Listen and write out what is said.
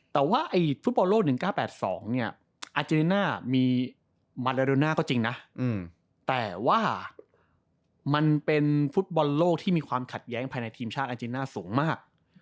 แต่ว่าฟุตบอลโลก๑๙๘๒เนี่ยอาเจริน่ามีมาลาโดน่าก็จริงนะแต่ว่ามันเป็นฟุตบอลโลกที่มีความขัดแย้งภายในทีมชาติอาเจน่าสูงมาก